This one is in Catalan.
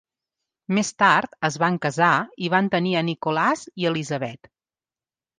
Més tard, es van casar i van tenir a Nicolas i Elisabeth.